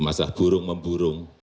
masalah burung memburung